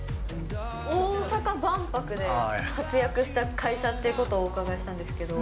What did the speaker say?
大阪万博で活躍した会社っていうことをお伺いしたんですけど。